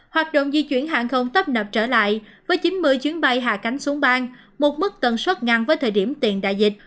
hoạt động di chuyển hàng không tấp nập trở lại với chín mươi chuyến bay hạ cánh xuống bang một mức tần suất ngang với thời điểm tiền đại dịch